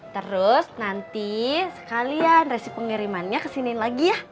terus nanti sekalian resi pengirimannya kesiniin lagi ya